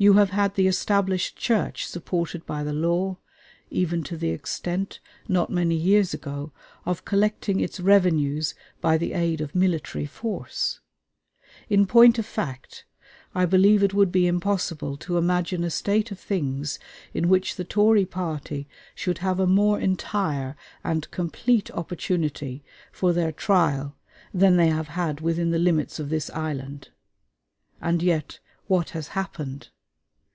You have had the Established Church supported by the law, even to the extent, not many years ago, of collecting its revenues by the aid of military force. In point of fact, I believe it would be impossible to imagine a state of things in which the Tory party should have a more entire and complete opportunity for their trial than they have had within the limits of this island. And yet what has happened?